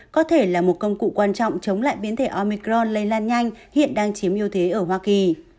có thể là một công cụ quan trọng chống lại biến thể omicron lây lan nhanh hiện đang chiếm ưu thế ở hoa kỳ